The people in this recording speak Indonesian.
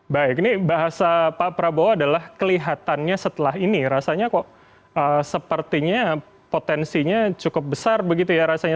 baik ini bahasa pak prabowo adalah kelihatannya setelah ini rasanya kok sepertinya potensinya cukup besar begitu ya rasanya